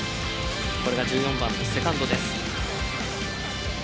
これが１４番のセカンドです。